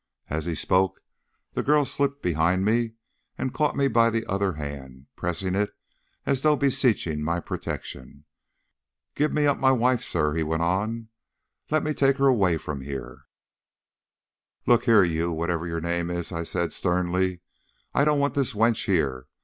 As he spoke the girl slipped behind me and caught me by the other hand, pressing it as though beseeching my protection. "Give me up my wife, sir," he went on. "Let me take her away from here." "Look here, you whatever your name is," I said sternly; "I don't want this wench here.